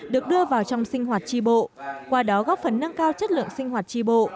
được đưa vào trong sinh hoạt tri bộ qua đó góp phần nâng cao chất lượng sinh hoạt tri bộ